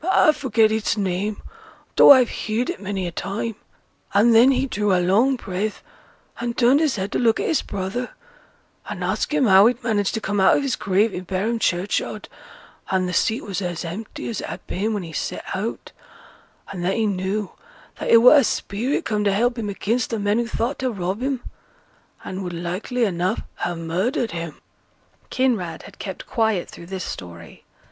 I forget its name, though I've heared it many a time; and then he drew a long breath, and turned his head to look at his brother, and ask him how he'd managed to come out of his grave i' Barum churchyard, and th' seat was as empty as it had been when he set out; and then he knew that it were a spirit come to help him against th' men who thought to rob him, and would likely enough ha' murdered him.' Kinraid had kept quiet through this story.